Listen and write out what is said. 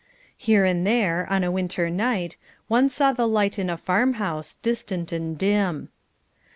Here and there, on a winter night, one saw the light in a farm house, distant and dim.